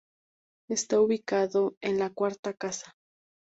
Está ubicado en la cuarta casa.